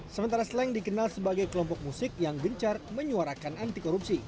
sementara sleng dikenal sebagai kelompok musik yang gencar menyuarakan anti korupsi